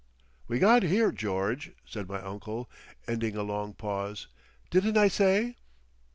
"We got here, George," said my uncle, ending a long pause. "Didn't I say?"